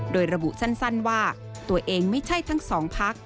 โดยระบุสั้นว่าตัวเองไม่ใช่ทั้งสองพัก